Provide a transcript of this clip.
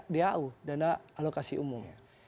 dau dana alokasi umum